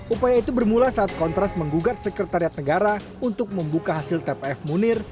upaya itu bermula saat kontras menggugat sekretariat negara untuk membuka hasil tpf munir